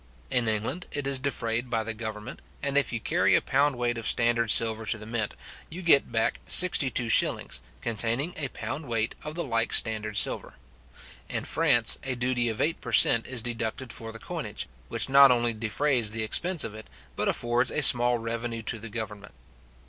In England it is defrayed by the government; and if you carry a pound weight of standard silver to the mint, you get back sixty two shillings, containing a pound weight of the like standard silver. In France a duty of eight per cent. is deducted for the coinage, which not only defrays the expense of it, but affords a small revenue to the government.